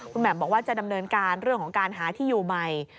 แหม่มบอกว่าจะดำเนินการเรื่องของการหาที่อยู่ใหม่